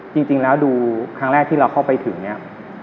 จริงแล้วดูครั้งแรกที่เราเข้าไปถึงเนี่ย